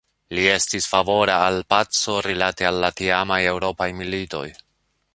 Li estis favora al paco rilate al la tiamaj eŭropaj militoj.